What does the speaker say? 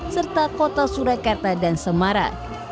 serta kota surakarta dan semarang